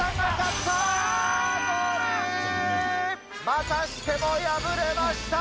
またしても敗れました。